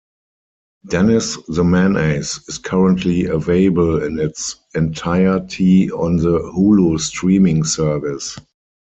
"Dennis The Menace" is currently available in its entirety on the Hulu streaming service.